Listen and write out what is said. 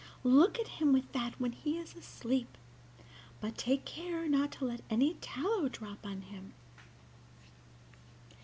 Look at him with that when he is asleep, but take care not to let any tallow drop upon him."